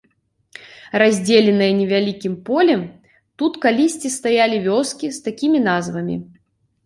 Раздзеленыя невялікім полем, тут калісьці стаялі вёскі з такімі назвамі.